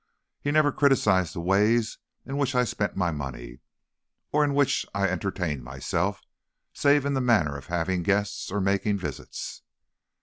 He never criticized the ways in which I spent my money, or in which I entertained myself, save in the matter of having guests or making visits."